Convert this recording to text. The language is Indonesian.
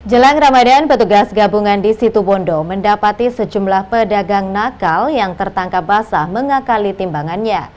jelang ramadan petugas gabungan di situ bondo mendapati sejumlah pedagang nakal yang tertangkap basah mengakali timbangannya